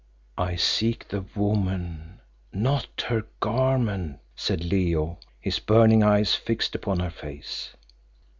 "I seek the woman not her garment," said Leo, his burning eyes fixed upon her face.